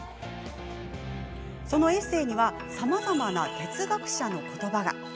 エッセーにはさまざまな哲学者のことばが。